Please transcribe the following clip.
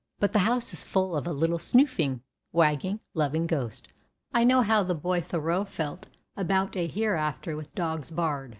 But the house is full of a little snoofing, wagging, loving ghost. I know how the boy Thoreau felt about a hereafter with dogs barred.